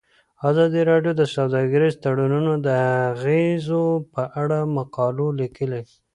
ازادي راډیو د سوداګریز تړونونه د اغیزو په اړه مقالو لیکلي.